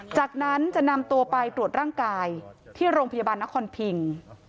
จากนั้นจะนำตัวไปตรวจร่างกายที่โรงพยาบาลนครพิง